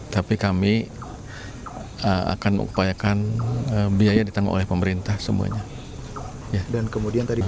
tapi kami akan mengupayakan biaya yang ditanggung oleh pemerintah semuanya